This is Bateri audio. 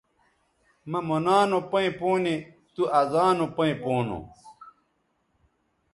مہ مونا نو پیئں پونے تُو ازانو پیئں پونو